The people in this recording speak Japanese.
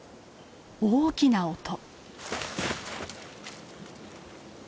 大きな音！